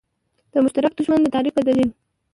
د مشترک دښمن د تعریف په دلیل.